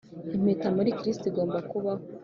impeta muri kristo igomba kubaho.